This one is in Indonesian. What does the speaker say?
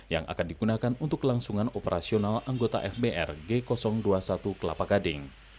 yang akan digunakan untuk kelangsungan operasional anggota fbr g dua puluh satu kelapa gading